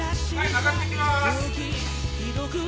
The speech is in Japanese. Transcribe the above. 上がってきます。